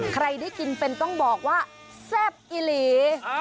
ใครได้กินเป็นต้องบอกว่าแซ่บอิหลี